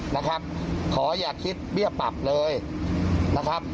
นะครับขออย่าคิดเบี้ยปรับเลยนะครับ